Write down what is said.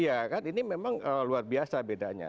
iya kan ini memang luar biasa bedanya